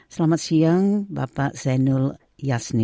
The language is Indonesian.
selamat siang bapak zainul yasni